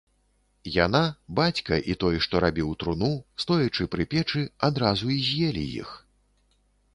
Яна, бацька і той, што рабіў труну, стоячы пры печы, адразу і з'елі іх.